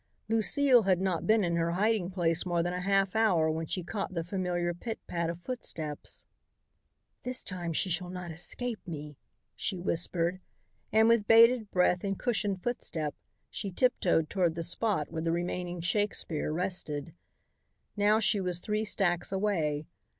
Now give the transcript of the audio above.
Lucile had not been in her hiding place more than a half hour when she caught the familiar pit pat of footsteps. "This time she shall not escape me," she whispered, as with bated breath and cushioned footstep she tiptoed toward the spot where the remaining Shakespeare rested. Now she was three stacks away.